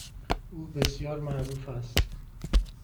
او بسیار معروف است.